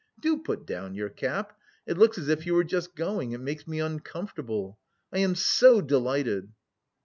Do put down your cap, it looks as if you were just going, it makes me uncomfortable... I am so delighted..."